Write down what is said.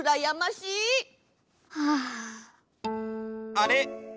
あれ？